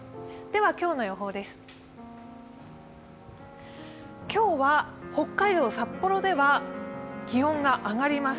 今日の予報です。